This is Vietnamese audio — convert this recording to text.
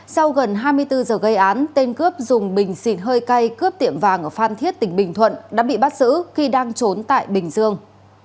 sau gần hai mươi bốn giờ gây án tên cướp dùng bình xịt hơi cay cướp tiệm vàng ở phan thiết tỉnh bình thuận đã bị bắt giữ khi đang trốn tại bình dương